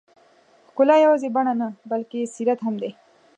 ښکلا یوازې بڼه نه، بلکې سیرت هم دی.